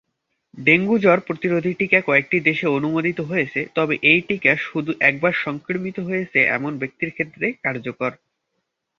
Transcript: Dengue জ্বর প্রতিরোধী টিকা কয়েকটি দেশে অনুমোদিত হয়েছে তবে এই টিকা শুধু একবার সংক্রমিত হয়েছে এমন ব্যক্তির ক্ষেত্রে কার্যকর।